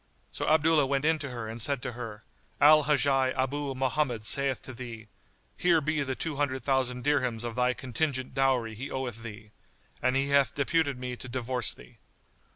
So Abdullah went in to her and said to her, "Al Hajjaj Abu Mohammed saith to thee: Here be the two hundred thousand dirhams of thy contingent dowry he oweth thee; and he hath deputed me to divorce thee."